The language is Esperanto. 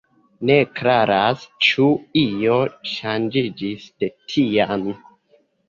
Ne klaras, ĉu io ŝanĝiĝis de tiam.